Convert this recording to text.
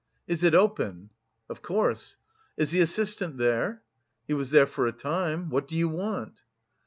"Is it open?" "Of course." "Is the assistant there?" "He was there for a time. What do you want?"